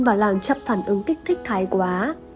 và làm chậm phản ứng kích thích thái quá